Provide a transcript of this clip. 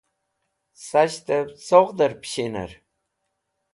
Sashtẽv coghdẽr pẽshinẽr,